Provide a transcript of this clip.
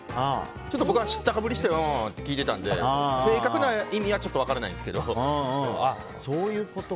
僕は知ったかぶりしてああって聞いていたんですけど正確な意味はちょっと分からないんですけど。